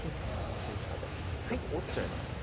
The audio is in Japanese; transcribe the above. １ｃｍ幅で折っちゃいますね